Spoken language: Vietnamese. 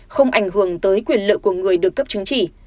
không ảnh hưởng tới quyền lợi của người được cấp chứng chỉ